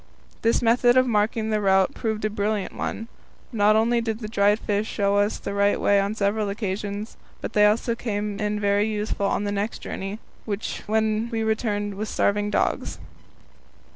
This method of marking the route proved a brilliant one. Not only did the dried fish show us the right way on several occasions, but they also came in very useful on the next journey, when we returned with starving dogs.